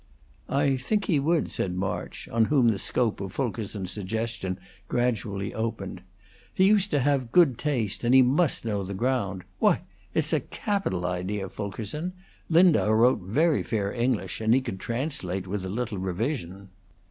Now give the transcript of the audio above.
"I think he would," said March, on whom the scope of Fulkerson's suggestion gradually opened. "He used to have good taste, and he must know the ground. Why, it's a capital idea, Fulkerson! Lindau wrote very fair English, and he could translate, with a little revision."